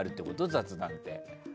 雑談って。